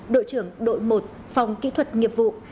đội trưởng đội một phòng kỹ thuật nghiệp vụ